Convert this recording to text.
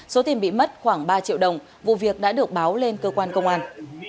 số tiền bị mất khoảng ba triệu đồng vụ việc đã được báo lên cơ quan công an